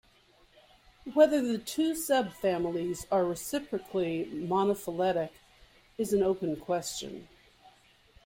Whether the two subfamilies are reciprocally monophyletic is an open question.